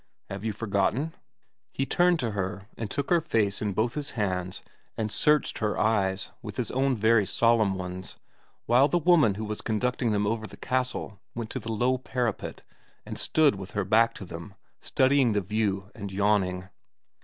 Have you forgotten ?' He turned to her and took her face in both his hands and searched her eyes with his own very solemn ones, while the woman who was conducting them over the castle went to the low parapet, and stood with her back to them studying the view and yawning.